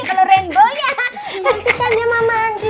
kalau rainbow ya cantikannya mama andri